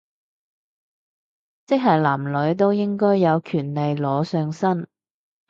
即係男女都應該有權利裸上身